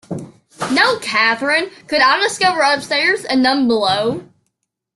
No Catherine could I discover upstairs, and none below.